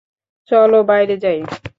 চলো বাইরে যাই?